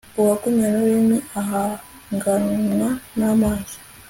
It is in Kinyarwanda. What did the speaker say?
uwagumiwe n'ururimi ahagamwa n'amazi